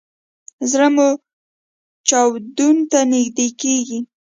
زړه مو چاودون ته نږدې کیږي